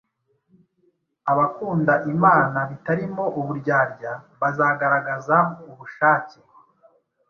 Abakunda Imana bitarimo uburyarya bazagaragaza ubushake